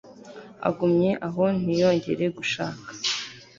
agumye aho ntiyongere gushaka